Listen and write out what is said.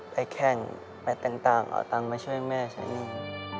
ไปแข่งไปแต่งต่างเอาตังมาช่วยแม่ใช่ไหม